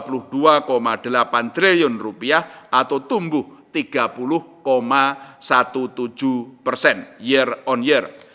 rp dua delapan triliun rupiah atau tumbuh tiga puluh tujuh belas persen year on year